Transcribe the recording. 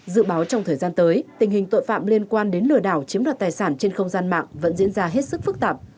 dự báo trong thời gian tới tình hình tội phạm liên quan đến lừa đảo chiếm đoạt tài sản trên không gian mạng vẫn diễn ra hết sức phức tạp